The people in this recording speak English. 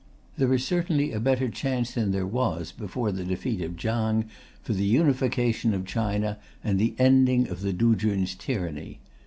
There is certainly a better chance than there was before the defeat of Chang for the unification of China and the ending of the Tuchuns' tyranny.